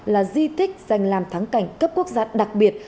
là di tích danh làm thắng cảnh cấp quốc gia đặc biệt